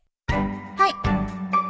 はい。